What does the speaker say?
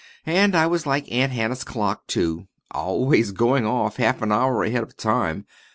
"And I was like Aunt Hannah's clock, too, always going off half an hour ahead of time.